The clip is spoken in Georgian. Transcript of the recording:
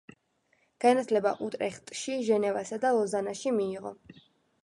განათლება უტრეხტში, ჟენევასა და ლოზანაში მიიღო.